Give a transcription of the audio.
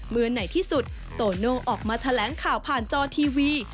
เมื่อไหนที่สุดโตโน่ออกมาแถลงข่าวผ่านจอทีวี